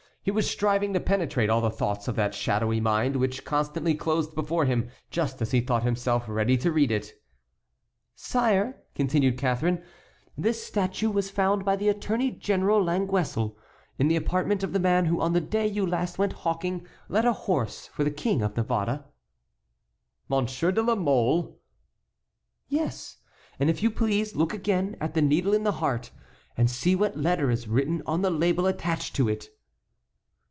He was striving to penetrate all the thoughts of that shadowy mind, which constantly closed before him just as he thought himself ready to read it. "Sire," continued Catharine, "this statue was found by the Attorney General Laguesle, in the apartment of the man who on the day you last went hawking led a horse for the King of Navarre." "Monsieur de la Mole?" "Yes, and, if you please, look again at the needle in the heart, and see what letter is written on the label attached to it."